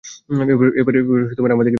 এবার আমার থেকে শুনবে।